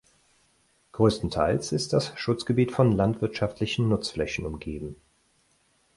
Größtenteils ist das Schutzgebiet von landwirtschaftlichen Nutzflächen umgeben.